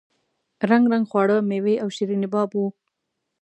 رنګ رنګ خواړه میوې او شیریني باب وو.